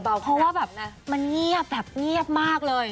เพราะว่าแบบมันเงียบแบบเงียบมากเลย